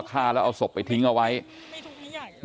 กลุ่มตัวเชียงใหม่